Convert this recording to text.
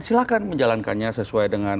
silahkan menjalankannya sesuai dengan